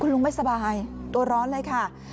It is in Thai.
ลุงไม่สบายตัวร้อนเลยค่ะ